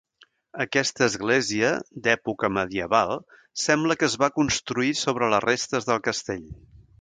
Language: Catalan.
Aquesta església, d'època medieval, sembla que es va construir sobre les restes del castell.